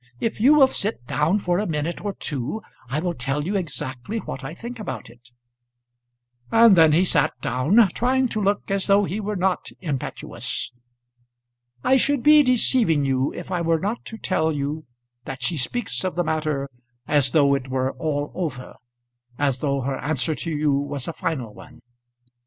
If you will sit down for a minute or two I will tell you exactly what I think about it." And then he sat down, trying to look as though he were not impetuous. "I should be deceiving you if I were not to tell you that she speaks of the matter as though it were all over, as though her answer to you was a final one."